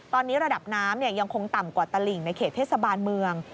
ตอนนี้ระดับน้ำยังคงต่ำกว่าตลิ่งในเขตเทศบาลเมือง